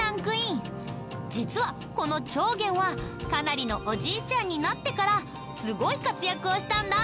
実はこの重源はかなりのおじいちゃんになってからすごい活躍をしたんだ。